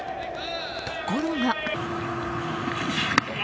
ところが。